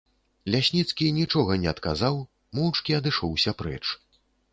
Лясніцкі нічога не адказаў, моўчкі адышоўся прэч.